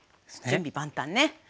準備万端ね。